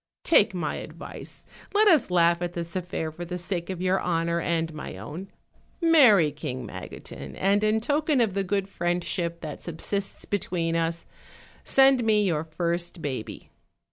Take my advice; let us laugh at this affair for the sake of your honor and my own; marry King Magotin, and in token of the good friendship that subsists between us, send me your first baby."